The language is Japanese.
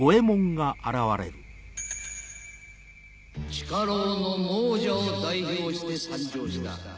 地下牢の亡者を代表して参上した。